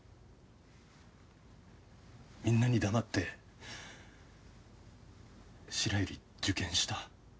みんなに黙って白百合受験した。